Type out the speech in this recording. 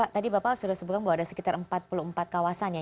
tadi bapak sudah sebutkan bahwa ada sekitar empat puluh empat kawasan ya